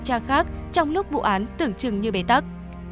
các bộ án tưởng chừng như bề tắc